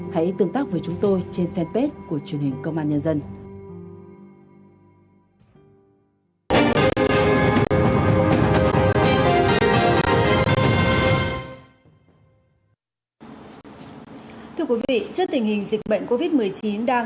hãy tương tác với chúng tôi trên fanpage của truyền hình công an nhân dân